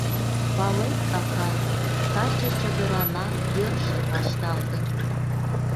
Палет, акай, таче чодырана йӧршын вашталтын.